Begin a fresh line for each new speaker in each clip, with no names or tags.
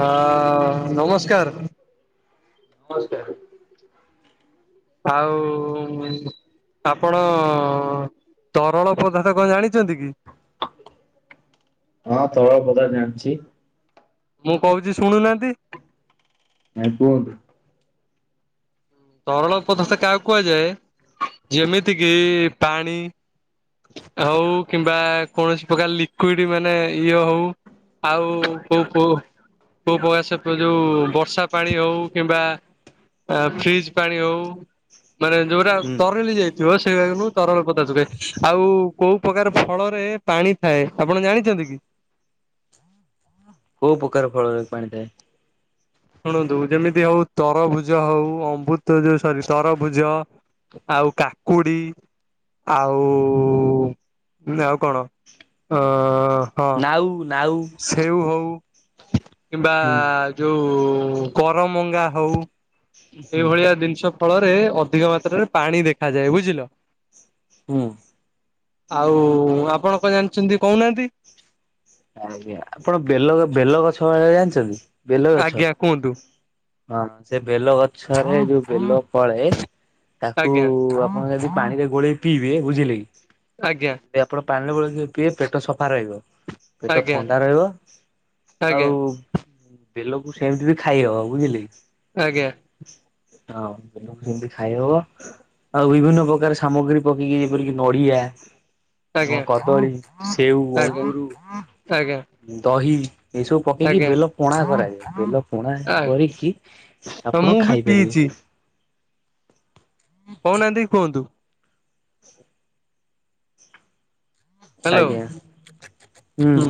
ହଁ ନମସ୍କାର।
ନମସ୍କାର।
ଆଉ ଆପଣ ତରଳ ପଦାର୍ଥ କଣ ଜାଣିଛନ୍ତି କି?
ହଁ ତରଳ ପଦାର୍ଥ ଜାଣିଛି।
ମୁଁ କହୁଛି ଶୁଣୁନାହାନ୍ତି।
ଆ କୁହନ୍ତୁ।
ତରଳ ପଦାର୍ଥ କାହାକୁ କୁହାଯାଏ ଯେମିତି କିି ପାଣି ହଉ କିମ୍ବା କୌଣସି ପ୍ରକାର ଲିକୁଇଡ଼ ମାନେ ଇଏ ହଉ। ଆଉ କୋଉ କୋଉ କୋଉ ବୟସ ଯୋଉ ବର୍ଷା ପାଣି ହଉ କିମ୍ବା ଫ୍ରିଜ ପାଣି ହଉ। ମାନେ ଯୋଉରା
ହୁଁ
ତରଲି ଯାଇଥିବ ସେଇରା କିନ୍ତୁ ତରଳ ପଦାର୍ଥ କୁହାଯାଏ ଆଉ କୋଉ ପ୍ରକାର ଫଳରେ ପାଣି ଥାଏ ଆପଣ ଜାଣିଛନ୍ତି କି?
କଉ ପ୍ରକାର ଫଳରେ ପାଣି ଥାଏ।
ଶୁଣନ୍ତୁ ଯେମିତି ହଉ ତରଭୁଜ ହଉ ଅମୃତ ଯୋଉ ସରି ତରଭୁଜ। ଆଉ କାକୁଡି। ଆଉ ଆଉ କଣ ଅ ହଁ
ନାଉ ନାଉ।
ସେଉ ହେଉ। କିମ୍ବା
ହୁଁ
ଯୋଉ କରମଙ୍ଗା ହଉ
ହୁଁ
ଏଇଭଳିଆ ଜିନିଷ। ଫଳରେ ଅଧିକ ମାତ୍ରାରେ ପାଣି ଦେଖାଯାଏ ବୁଝିଲ।
ହଁ।
ଆଉ ଆପଣ କଣ ଜାଣିଛନ୍ତି କହୁନାହାନ୍ତି।
ଆଜ୍ଞା ଆପଣ ବେଲ ବେଲ ଗଛ [inaudible] ଜାଣିଛନ୍ତି ବେଲ ଗଛ।
ଆଜ୍ଞା କୁହନ୍ତୁ
ହଁ ସେ ବେଲ ଗଛରେ ଯୋଉ ବେଲ ପଳେ ତାକୁ
ଆଜ୍ଞା
ଆପଣ ଯଦି ପାଣିରେ ଗୋଳେଇକି ପିଇବେ ବୁଝିଲେ କି
ଆଜ୍ଞା।
ଯଦି ଆପଣ ପାଣିିରେ ଗୋଲେଇକି ପିଇବେ ପେଟ ସଫା ରହିବ। ପେଟ
ଆଜ୍ଞା
ଥଣ୍ଡା ରହିବ
ଆଜ୍ଞା
ଆଉ ବେଲକୁ ସେମିତି ବି ଖାଇ ହବ ବୁଝିଲେକି।
ଆଜ୍ଞା।
ହଁ ବେଲକୁ ସେମିତି ଖାଇ ହବ। ଆଉ ବିଭିନ୍ନ ପ୍ରକାର ସାମଗ୍ରୀ ପକେଇକି ଯେପରିକି ନଡିଆ
ଆଜ୍ଞା
ହଁ
ଆଜ୍ଞା
କଦଳୀ ସେଉ ଅଙ୍ଗରୁ
ଆଜ୍ଞା।
ଦହି ଏସବୁ ପକେଇକି
ଆଜ୍ଞା
ବେଲ ପଣା କରାଯାଏ ବେଲ ପଣା
ଆଜ୍ଞା
କରିକି ଆପଣ
ମୁଁ ବି ପିଇଛି
ଖାଇପାରିବେ।
କହୁନାହାନ୍ତି କୁହନ୍ତୁ? ହ୍ୟାଲୋ
ଆଜ୍ଞା। ହୁଁ
ହଁ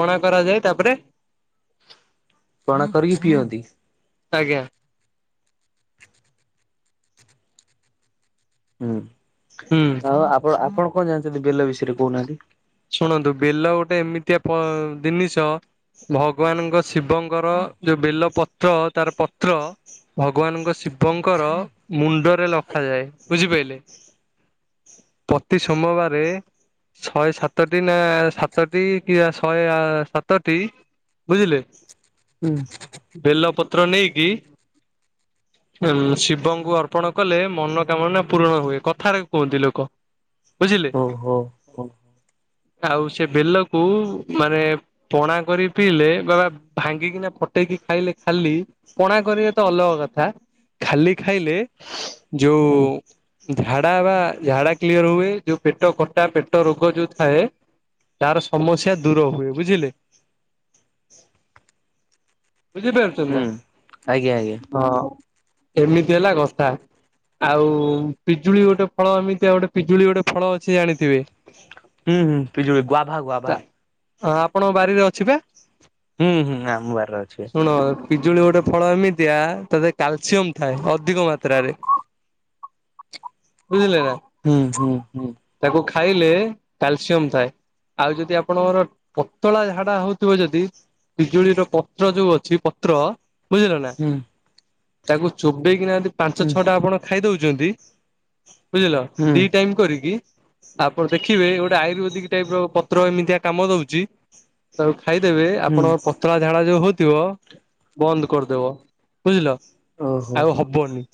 ପଣା କରାଯାଏ ତାପରେ
ପଣା କରିକି ପିଅନ୍ତି।
ଆଜ୍ଞା।
ହୁଁ
ହୁଁ
ଆଉ ଆପଣ ଆପଣ କଣ ଜାଣିଛନ୍ତି ବେଲ ବିଷୟରେ କହୁନାହାନ୍ତି?
ଶୁଣନ୍ତୁ ବେଲ ଗୋଟେ ଏମିତିଆ ପ ଜିନିଷ ଭଗବାନଙ୍କ ଶିବଙ୍କର ଯୋଉ ବେଲ ପତ୍ର ପତ୍ର ତାର ପତ୍ର ଭଗବାନଙ୍କ ଶିବଙ୍କର ମୁଣ୍ଡରେ ଲଖାଯାଏ। ବୁଝିପାଇଲେ? ପ୍ରତି ସୋମବାରେ ଶହେ ସାତଟି ନା ସାତଟି କି ଶହେ ସାତଟି ବୁଝିଲେ?
ହୁଁ।
ବେଲ ପତ୍ର ନେଇକି ଉ ଶିବଙ୍କୁ ଅର୍ପଣ କଲେ ମନକାମନା ପୂରଣ ହୁଏ କଥାରେ କୁହନ୍ତି ଲୋକ। ବୁଝିଲେ
ଓହୋ ହୁଁ
ଆଉ ସେ ବେଲକୁ ମାନେ ପଣା କରି ପିଇଲେ ବାବା ଭାଙ୍ଗିକିନା ପଟେଇକି ଖାଇଲେ ଖାଲି ପଣା କରିବା ତ ଅଲଗା କଥା ଖାଲି ଖାଇଲେ ଯୋଉ ଝାଡା ବା ଝାଡା କ୍ଲିୟର ହୁଏ ଯୋଉ ପେଟ ଖଟା ପେଟ ରୋଗ ଯୋଉ ଥାଏ ତାର ସମସ୍ୟା ଦୂର ହୁଏ ବୁଝିଲେ?
[unintelligible]
ବୁଝିପାରୁଛନ୍ତି
ଆଜ୍ଞା ଆଜ୍ଞା
ନାଁ ହଁ। ଏମିତି ହେଲା କଥା ଆଉ ପିଜୁଳି ଗୋଟେ ଫଳ ଏମିତିଆ ଗୋଟେ ପିଜୁଳି ଗୋଟେ ଫଳ ଅଛି ଜାଣିଥିବେ?
ହୁଁ ହୁଁ ପିଜୁଳି ଗୁଆ ଭା ଗୁଆ ଭା।
ହଁ ଆପଣଙ୍କ ବାରିରେ ଅଛିି ପା?
ହୁଁ ହୁଁ ଆମ ବାରି ରେ ଅଛି ଵା।
ଶୁଣ ପିଜୁଳି ଗୋଟେ ଫଳ ଏମିତିଆ ତା ଦେ କାଲସିୟମ ଥାଏ ଅଧିକ ମାତ୍ରାରେ।
[unintelligible]
ବୁଝିଲେ ନାଁ?
ହୁଁ ହୁଁ ହୁଁ।
ତାକୁ ଖାଇଲେ କାଲସିୟମ ଥାଏ। ଆଉ ଯଦି ଆପଣଙ୍କର ପତଳା ଝାଡା ହଉଥିବ ଯଦି ବିଜୁଳିର ପତ୍ର ଯୋଉ ଅଛି ପତ୍ର ବୁଝିଲ ନା
ହୁଁ
ତାକୁ ଚୋବେଇକିନା ଯଦି ପାଞ୍ଚ
ହୁଁ
ଛଅଟା ଆପଣ ଖାଇ ଦଉଛନ୍ତି ବୁଝିଲ
ହୁଁ
ଦି ଟାଇମ କରିକି। ଆପଣ ଦେଖିବେ ଗୋଟେ ଆୟୁର୍ବେଦିକ ଟାଇପ ର ପତ୍ର ଏମିତିଆ କାମ ଦଉଛି ତାକୁ ଖାଇଦେବେ
ହୁଁ
ଆପଣଙ୍କ ପତଳା ଝାଡା ଯୋଉ ହଉଥିବ ବନ୍ଦ କରିଦେବ ବୁଝିଲ।
ଓହୋ
ଆଉ ହବନି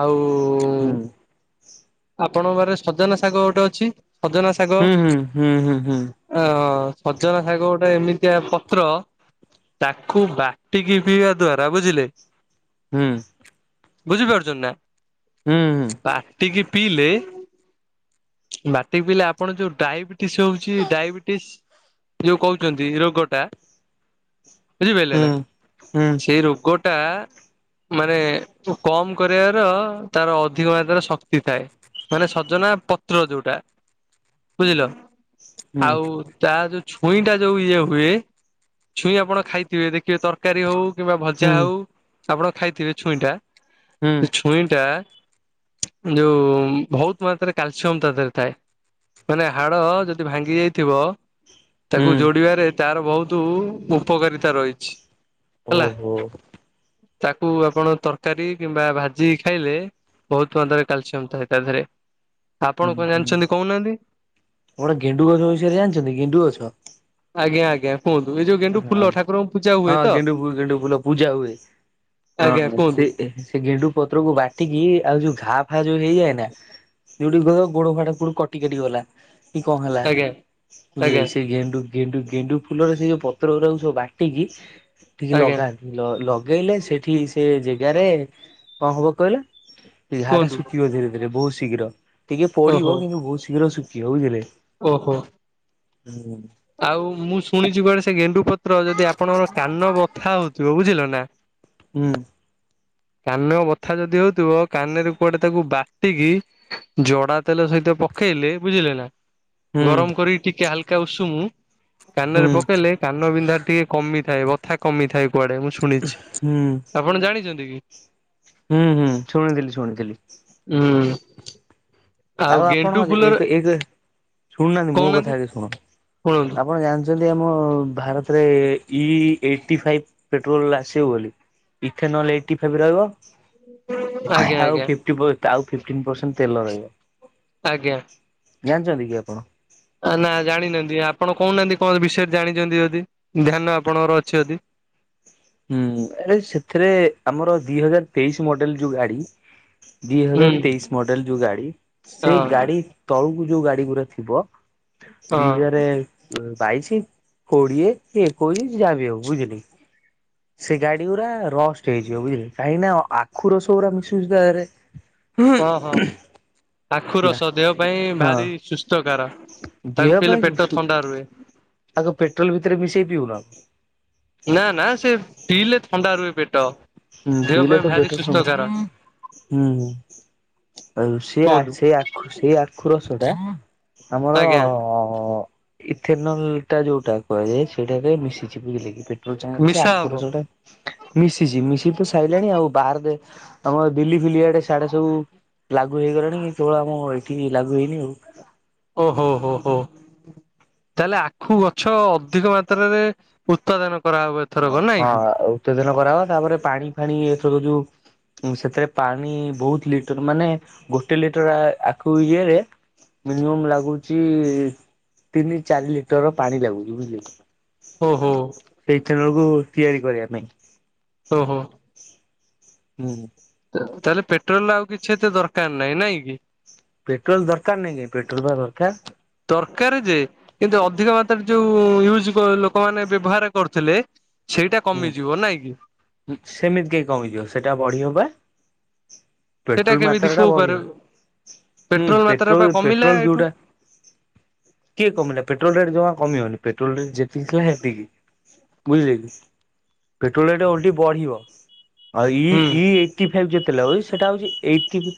ଆଉ
ହୁଁ।
ଆପଣଙ୍କ ପାଖରେ ସଜନା ଶାଗ ଗୋଟେ ଅଛି ସଜନା ଶାଗ
ହୁଁ ହୁଁ ହୁଁ ହୁଁ ହୁଁ ହୁଁ
ଅ ସଜନା ଶାଗ ଗୋଟେ ଏମିତିଆ ପତ୍ର ତାକୁ ବାଟିକି ପିଇବା ଦ୍ଵାରା ବୁଝିଲେ?
ହୁଁ।
ବୁଝିପାରୁଛନ୍ତି ନା
ହୁଁ ହୁଁ
ବାଟି କି ପିଇଲେ ବାଟିକି ପିଇଲେ ଆପଣ ଯୋଉ ଡାଇବେ ଟିସ୍ ହଉଛି ଡାଇବେଟିସ୍ ଯଉ କହୁଛନ୍ତି ରୋଗଟା ବୁଝିପାରିଲେ
ହୁଁ
ନା
ହୁଁ
ସେଇ ରୋଗଟା ମାନେ କମ କରିବାର ତାର ଅଧିକ ମାତ୍ରାରେ ଶ କ୍ତି ଥାଏ ମାନେ ସଜନା ପତ୍ର ଯୋଉଟା ବୁଝିଲ?
ହୁଁ
ଆଉ ତା ଯୋଉ ଛୁଇଁ ଟା ଯୋଉ ଇଏ ହୁଏ ଛୁଇଁ ଆପଣ ଖାଇଥିବେ ଦେଖିବେ ତର କାରୀ ହଉ କିମ୍ବା ଭଜା
ହୁଁ
ହଉ ଆପଣ ଖାଇଥିବେ ଛୁଇଁଟା
ହୁଁ
ସେ ଛୁଇଁଟା ଯୋଉ ଭୋଉତ ମାତ୍ରାରେ କାଲସିୟମ ତା ଦେହରେ ଥାଏ। ମାନେ ହାଡ଼ ଯଦି ଭାଙ୍ଗି ଯାଇଥିବ
ହୁଁ।
ତାକୁ ଯୋଡିବାରେ ତାର ବହୁତ ଉପକାରିତା ରହିଛି। ହେଲା।
ଓହୋ।
ତାକୁ ଆପଣ ତରକାରୀ କିମ୍ବା ଭାଜିକି ଖାଇଲେ ବହୁତ ମାତ୍ରାରେ କ୍ୟାଲସିୟମ ଥାଏ ତା ଧେରେ।
ଗୋଟେ ଗେଣ୍ଡୁ ଗଛ ବିଷୟରେ ଜାଣିଛନ୍ତି ଗେଣ୍ଡୁ ଗଛ?
ଆଜ୍ଞା ଆଜ୍ଞା। କୁହନ୍ତୁ ଏଇ ଯୋଉ ଗେଣ୍ଡୁ
ହା
ଫୁଲ ଠାକୁରଙ୍କୁ ପୂଜା ହୁଏ
ହଁ
ତ
ଗେଣ୍ଡୁ ଫୁଲ ଗେଣ୍ଡୁ ଫୁଲ ପୂଜା ହୁଏ। ହଁ
ଆଜ୍ଞା
ହଁ
କୁହନ୍ତୁ
ସେ ସେ ଗେଣ୍ଡୁ ପତ୍ରକୁ ବାଟିକି ଆଉ ଯୋଉ ଘା ଫା ଯୋଉ ହେଇଯାଏ ନା ଯୋଉଠି କହିବ ଗୋଡ ଫାଟା କୋଉଠି କଟି କାଟି ଗଲା। କି କଣ ହେଲା
ଆଜ୍ଞା। ଆଜ୍ଞା
ବୁଝିଲେକି ସେ ଗେଣ୍ଡୁ ଗେଣ୍ଡୁ ଗେଣ୍ଡୁ ଫୁଲରେ ସେ ଯୋଉ ପ ତ୍ର ଗୁଡାକୁ ସବୁ ବାଟିକି ଟିକେ
ଆଜ୍ଞା
ଲଗାନ୍ତି। ଲ ଲଗେଇଲେ ସେଠି ସେ ଜାଗାରେ କଣ ହବ କହିଲେ? ସେ ଘା ଟା
କୁହନ୍ତୁ
ଶୁଖିବ ଧୀରେ ଧୀରେ ବହୁତ ଶୀଘ୍ର ଟିକେ
ଓହୋ
ପଡିବ କିନ୍ତୁ ବହୁତ ଶୀଘ୍ର ଶୁଖିବ ବୁଝିଲେ।
ଓହୋ।
ହୁଁ [unintelligible]
ଆଉ ମୁଁ ଶୁଣିଛି କୁଆଡେ ସେ ଗେଣ୍ଡୁ ପତ୍ର ଯଦି ଆପଣଙ୍କର କାନ ବଥା ହଉଥିବ ବୁଝିଲ ନା?
ହୁଁ।
କାନ ବଥା ଯଦି ହଉଥିବ କାନରେ କୁଆଡେ ତାକୁ ବାଟିକି ଜଡା ତେଲ ସହିତ ପକେଇଲେ ବୁଝିଲେ ନା?
ହୁଁ
ଗରମ କରି ଟିକେ ହାଲକା ଉଷୁମୁ କାନରେ
ହୁଁ
ପକେଇଲେ କାନ ବିନ୍ଧା ଟିକେ କମିଥାଏ ବଥା କମିଥାଏ କୁଆଡେ ମୁଁ ଶୁଣିଛି।
ହୁଁ
ଆପଣ ଜାଣିଛନ୍ତି କି?
ହୁଁ ହୁଁ ଶୁଣିଥିଲି ଶୁଣିଥିଲି।
ଉଁ ଆଉ
ଆପଣ
ଗେଣ୍ଡୁ ଫୁଲରେ।
ଏକ ଏକ ଶୁଣୁନାହାନ୍ତି ମୋ କଥା ଆଗେ ଶୁଣ
ଶୁଣନ୍ତୁ
ଆପଣ ଜାଣି ଛନ୍ତି ଆମ ଭାରତରେ ଇ ଏଇଟି ଫାଇବ୍ ପେଟ୍ରୋଲ ଆସିବ ବୋଲି। ଇଥେନଲ୍ ଏଇଟି ଫାଇବ ରହିବ।
ଆଜ୍ଞା
ଆଉ
ଆଜ୍ଞା
ଫିଫ୍ଟି ପ ଆଉ ଫିପ୍ଟିନ ପରସେଣ୍ଟ ତେଲ ରହିବ।
ଆଜ୍ଞା।
ଜାଣିଛନ୍ତି କି ଆପଣ।
ଆ ନା ଜାଣିନାହାନ୍ତି ଆପଣ କହୁନାହାନ୍ତି କଁ ଏ ବିଷୟରେ ଜାଣିଛନ୍ତି ଯଦି ଧ୍ୟାନ ଆପଣଙ୍କର ଅଛି ଯଦି।
ହୁଁ ଆରେ ସେଥେରେ ଆମର ଦି ହଜାର ତେଇଶି ମଡେଲ ଯୋଉ ଗାଡି। ଦି
ହୁଁ
ହଜାର ତେଇଶ ମଡେଲ ଯୋଉ ଗାଡି ସେ ଗାଡି।
ହଁ
ତଳୁକୁ ଯୋଉ ଗାଡି ଗୁରା ଥିବ ଦି
ହଁ।
ହଜାରେ। ବାଇଶି, କୋଡିଏ, କି ଏକୋଇଶ ସିଏ ଯାହା ବି ହଉ ବୁଝିଲେ କି। ସେ ଗାଡି ଗୁରା ରଷ୍ଟ ହେଇଯିବ ବୁଝିଲେ କାହିଁକି ନା ଆଖୁ ରସ ଗରା ମିଶୁଛି ତା ଧୀଏରେ।
ହଁ ହଁ
[unintelligible]
ଆଖୁ
ହେଲା।
ରସ ଦେହ ପାଇଁ
ହଁ
ଭାରି ସୁସ୍ଥକାର ତାକୁ ପିଇଲେ ପେଟ ଥଣ୍ଡା ରୁହେ।
ତାକୁ ପେଟ୍ରୋଲ ଭିତରେ ମିଶେଇ ପିଉନ।
ନା ନା ସେ ପିଇଲେ ଥଣ୍ଡା ରୁହେ ପେଟ।
ହୁଁ
ଦେହ
ପିିଇଲେ
ପାଇଁ
ତ
ଭାରି
ପେଟ ଥଣ୍ଡା
ସୁସ୍ଥକାର
ହୁଁ ହୁଁ। ଆଉ ସିଆ
କୁହନ୍ତୁ
ସେଆ। ସେଇ ଆଖୁ ରସ ଟା ଆମର।
ଆଜ୍ଞା
ଇଥେନଲ୍ ଟା ଯୋଉଟା କୁହାଯାଏ ସେଇଟାରେ ମିଶିଛି ବୁଝିଲେ କି ପେଟ୍ରୋଲ ସାଙ୍ଗରେ ସେ
ମିଶା ହବ।
ଆଖୁ ରସ ଟା। ମିଶିଛି ମିଶି ତ ସାଇଲାଣି ଆଉ ବାହାର ଦେ ତମର ଦିଲ୍ଲୀ ଫିଲି ଆଡେ ସିଆଡେ ସବୁ ଲାଗୁ ହେଇଗଲାଣି କେବଳ ଆମ ଏଇଠି ଲାଗୁ ହେଇନି ଆଉ।
ଓ ହୋ ହୋ ହୋ। ତାହେଲେ ଆଖୁ ଗଛ ଅଧିକ ମାତ୍ରାରେ ଉତ୍ପାଦନ କରା ହବ ଏ
ହଁ ହଁ ଉତ୍ତେଜନା କରାହବ ତାପରେ ପାଣି ଫାଣି ଏଥର ଯୋଉ। ଉଁ ସେଥେରେ ପାଣି ବହୁତ ଲିଟର ମାନେ ଗୋଟେ ଲିଟର ଆଖୁ ଇଏରେ। ମିନିମମ୍ ଲାଗୁଛି ତିନି ଚାରି ଲିଟର ପାଣି ଲାଗୁଛି ବୁଝିଲେକି।
ଓହୋ।
ସେ ଇଥେନଲ୍ କୁ ତିଆରି କରିବା ପାଇଁ।
ଓ ହୋ।
ହୁଁ।
ତ ତାହେଲେ ପେଟ୍ରୋଲ ଆଉ କିଛି ଏତେ ଦରକାର ନାହିଁ ନାଇଁ କି।
ପେଟ୍ରୋଲ ଦରକାର ନାଇଁ କାଇଁ ପେଟ୍ରୋଲ ବା ଦରକାର।
ଦରକାରେ ଯେ। କିନ୍ତୁ ଅଧିକ ମାତ୍ରାରେ ଯୋଉ ୟୁଜ କ ଲୋକମାନେ ବ୍ୟବହାର କରୁଥିଲେ। ସେଇଟା
ହୁଁ।
କମିଯିବ ନାଇଁ କି।
ସେମିତି କାଇଁ କମିଯିବ ସେଇଟା ବଢିବ ବା।
ସେଇଟା
ପେଟ୍ରୋଲ
କେମିତି
ମାତ୍ରା ଟା
କୋଉ ଉପାୟରେ
ବଢିବ ହୁଁ
ମାତ୍ରା ବା
ପେଟ୍ରୋଲ
କମିଲା
ପେଟ୍ରୋଲ
ଏଇଠୁ
ଯୋଉଟା। କିଏ କମିଲା ପେଟ୍ରୋଲ ରେଟ ଜମା କମିବନି ପେଟ୍ରୋଲ ରେଟ ଯେତିକି ଥିଲା ହେତିକି। ବୁଝିଲେ କି ପେଟ୍ରୋଲ ରେଟ ଓଲଟି ବଢିବ। ଆଉ ଇ
ହୁଁ।
ଇ ଏଇଟି ଫାଇଭ୍ ଯୋଉ ତେଲ ଆଉଛି। ସେଇଟା ହଉଛି ଏଇଟିଭ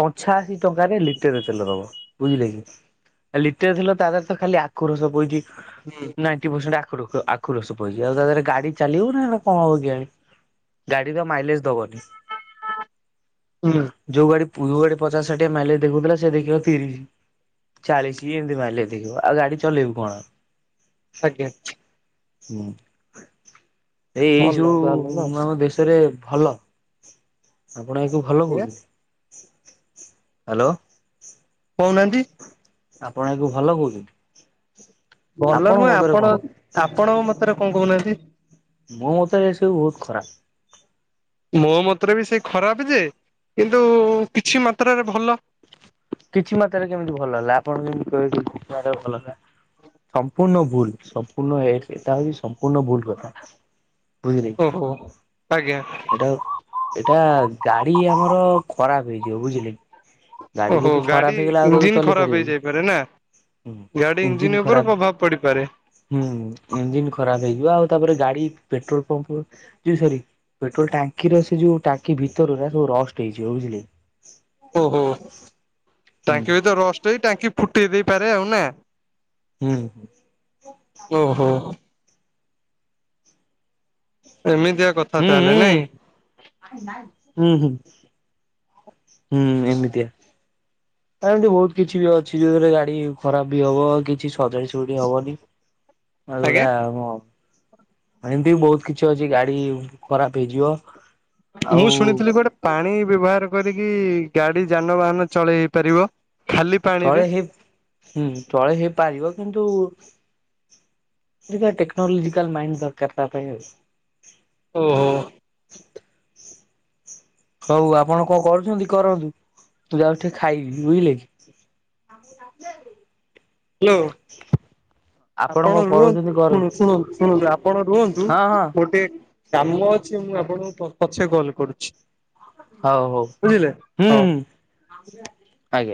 ପଞ୍ଛାଅଶି ଟଙ୍କାରେ ଲିଟେର ତେଲ ଦବ ବୁଝିଲେ କି। ଲିଟେରେ ତେଲ ତା ଦେହରେ ତ ଖାଲି ଆଖୁ ରସ ପଇଛି।
ହୁଁ
ନାଇଣ୍ଟି ପରସେଣ୍ଟ ଆଖୁର ଆଖୁ ରସ ପଇଛି ଆଉ ତାଦିରେ ଗାଡି ଚାଲିବ ନା ଆଉ କଣ ହବ କେଜାଣି ଗାଡ଼ିର ମାଇଲେଜ ଦବନି
ହୁଁ
ଯୋଉ ଗାଡି ପୂର୍ବ ଗାଡି ପଚାଶ ଷାଠିଏ ମାଇଲେଜ ଦେଖଉଥିଲା ସେ ଦେଖେଇବ ତିରିଶ ଚାଳିଶି ଏମିତି ମାଇଲେଜ ଦେଖିବୁ ଆଉ ଗାଡି ଚଲେଇବୁ କଣ
ଆଜ୍ଞା
ହୁଁ ଏ ଏଇ
ଭଲ ତାହେଲେ
ସବୁ
ନା
ଆମ ଦେଶରେ ଭଲ ଆପଣ ଆକୁ ଭଲ
ଆଜ୍ଞା
କହୁଛନ୍ତି ହାଲୋ
କହୁନାହାନ୍ତି
ଆପଣ ଆକୁ ଭଲ କହୁଛନ୍ତି।
ଭଲ
ଆପଣଙ୍କ
ନୁହେଁ
ମତରେ
ଆପଣ
କଣ
ଆପଣଙ୍କ ମତରେ କଣ କହୁନାହାନ୍ତି।
ମୋ ମତରେ ଏସବୁ ବହୁତ ଖରାପ
ମୋ ମତରେ ବି ସେଇ ଖରାପ ଯେ କିନ୍ତୁ କିଛି ମାତ୍ରାରେ ଭଲ
କିଛି ମାତ୍ରାରେ କେମିତି ଭଲ ହେଲା ଆପଣ ଯେମିତି କହିବେ କଣ ଭଲ ହେଲା ସମ୍ପୂର୍ଣ୍ଣ ଭୁଲ ସମ୍ପୂର୍ଣ୍ଣ ଏ ଏଇଟା ହଉଛି ସମ୍ପୂର୍ଣ୍ଣ ଭୁଲ କଥା ବୁଝିଲେ କି
ଓହୋ ଆଜ୍ଞା
ଏଇଟା ଏଇଟା ଗାଡି ଆମର ଖରାପ ହେଇଯିବ ବୁଝିଲେ ଗାଡି
ଓହୋ
ଯଦି ଖରାପ
ଗାଡି
ହେଇଗଲା ଆଉ ତାକୁ
ଇଞ୍ଜିିନ୍
ଚଲେଇ
ଖରାପ
ପାରିବେ କି?
ହେଇଯାଇପାରେ ନା ଗାଡି
ଇଞ୍ଜିିନ
ଇଞ୍ଜିିନ୍
ଖରାପ
ଉପରେ ପ୍ରଭାବ ପଡିପାରେ
ହୁଁ ଇଞ୍ଜିିନ୍ ଖରାପ ହେଇଯିବ ଆଉ ତାପରେ ଗାଡି ପେଟ୍ରୋଲ ପମ୍ପ ଇ ସରି ପେଟ୍ରୋଲ ଟାଙ୍କିର ସେ ଯୋଉ ଟାଙ୍କି ଭିତର ଗୁଡ଼ା ସବୁ ରଷ୍ଟ ହେଇଯିବ ବୁଝିଲେ
ଓହୋ
ହୁଁ
ଟାଙ୍କି ଭିତରେ ରଷ୍ଟ ହେଇ ଟାଙ୍କି ଫୁଟେଇ ଦେଇପାରେ ଆଉ ନା
ହୁଁ
ଓ ହୋ ଏମିତିଆ କଥା ତାହେଲେ
ହୁଁ।
ନାଇଁ
ହୁଁ ହୁଁ ହୁଁ ଏମିତିଆ ଆଉ ଏମିତି ବହୁତ କିଛି ବି ଅଛି ଯୋଉଥିରେ ଗାଡି ଖରାପ ବି ହବ କିଛି ସଜାଡ଼ି ଯୋଡ଼ି ହବନି ଆଉ
ଆଜ୍ଞା।
ଯୋଉଟା ଏମିତି ବହୁତ କିଛି ଅଛି ଗାଡି ଖରାପ ହେଇଯିବ ଆଉ
ମୁଁ ଶୁଣିଥିଲି ଗୋଟେ ପାଣି ବ୍ୟବହାର କରିକି ଗାଡି ଯାନବାହାନ ଚଳେଇ ହେଇ ପାରିବ।
ଚଲେଇ ହେଇ ହୁଁ ଚଲେଇ ହେଇପାରିବ କିନ୍ତୁ ଟିକେ ଟେକ୍ନୋଲୋଜିକାଲ ମାଇଣ୍ଡ ଦରକାର ତା ପାଇଁ ଆଉ
ଓହୋ
ହଉ ଆପଣ କଣ କରୁଛନ୍ତି କରନ୍ତୁ ମୁଁ ଯାଉଛି ଖାଇବି ବୁଝିଲେ କି ଆମକୁ ଡାକିଲେ
ହେଲୋ ଆପଣ
କଣ କରୁଛନ୍ତି
ରୁହନ୍ତୁ ଶୁଣୁ
କରନ୍ତୁ
ଶୁଣନ୍ତୁ ଶୁଣନ୍ତୁ ଆପଣ ରୁହନ୍ତୁ
ହଁ ହଁ
ଗୋଟେ କାମ ଅଛି ମୁଁ ଆପଣଙ୍କୁ ପଛେ କଲ କରୁଛି।
ହଉ ହଉ
ବୁଝିଲେ
ହୁଁ
ହଉ।
ହୁଁ ଆଜ୍ଞା।